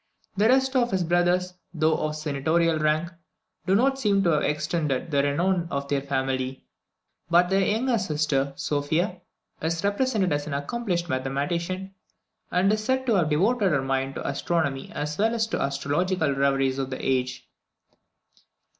The rest of his brothers, though of senatorial rank, do not seem to have extended the renown of their family; but their youngest sister, Sophia, is represented as an accomplished mathematician, and is said to have devoted her mind to astronomy as well as to the astrological reveries of the age.